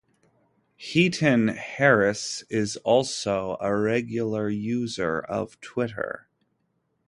Heaton-Harris is also a regular user of Twitter.